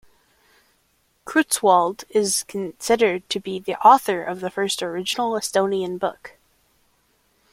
Kreutzwald is considered to be the author of the first original Estonian book.